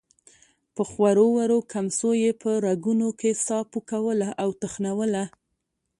په خورو ورو کمڅو يې په رګونو کې ساه پوکوله او تخنوله.